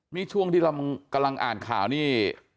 นี่ช่วงที่เรากำลังอ่านข่าวนี่